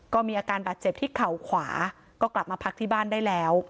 ก็มีอาการบาดเจ็บที่เข่าขวาก็กลับมาพักที่บ้านได้แล้ว